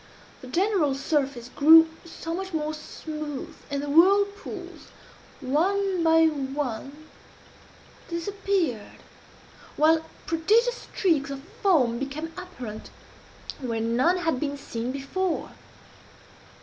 The general surface grew somewhat more smooth, and the whirlpools, one by one, disappeared, while prodigious streaks of foam became apparent where none had been seen before.